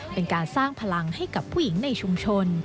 เป็นการสร้างพลังให้กับผู้หญิงในชุมชน